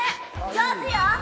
上手よ！